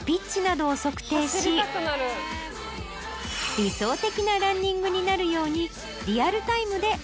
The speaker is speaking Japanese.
理想的なランニングになるように。